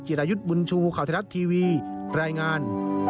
รายุทธ์บุญชูข่าวไทยรัฐทีวีรายงาน